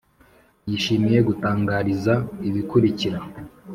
yishimiye gutangariza ibikurikira: